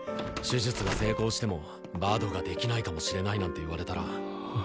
手術が成功してもバドができないかもしれないなんて言われたら。